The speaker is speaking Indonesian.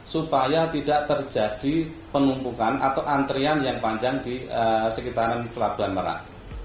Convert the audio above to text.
supaya tidak terjadi penumpukan atau antrian yang panjang di sekitaran pelabuhan merak